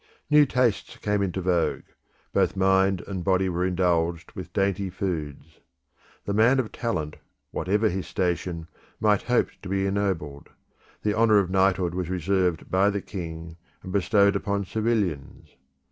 New tastes came into vogue; both mind and body were indulged with dainty foods. The man of talent, whatever his station, might hope to be ennobled; the honour of knighthood was reserved by the king, and bestowed upon civilians.